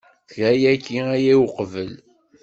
Tga yagi aya uqbel.